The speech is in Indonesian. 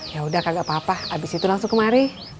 yaudah kagak apa apa abis itu langsung kemari